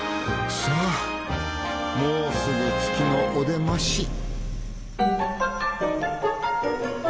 さあもうすぐ月のお出まし！